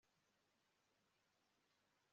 bene wabo barapfa barashira nabasigaye